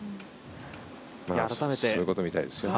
そういうことらしいですよ。